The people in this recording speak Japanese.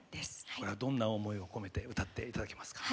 これはどんな思いを込めて歌っていただけますか？